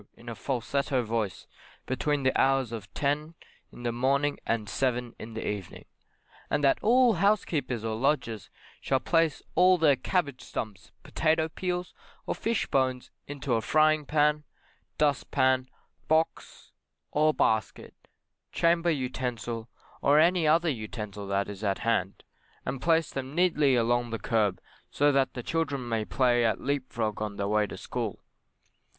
in a falsetto voice, between the hours of 10 in the morning and 7 in the evening; and that all housekeepers or lodgers shall place all their cabbage stumps, potatoe peels, or fish bones into a frying pan, dustpan, box or basket, chamber utensil, or any other utensil that is at hand, and place them neatly along the kerb, so that children may play at leap frog on their way to school.